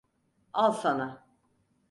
Al sana!